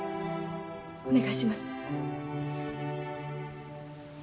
お願いします。